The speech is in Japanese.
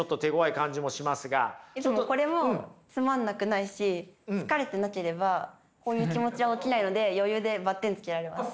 これもつまんなくないし疲れてなければこういう気持ちは起きないので余裕でバッテンつけられます。